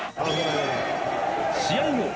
［試合後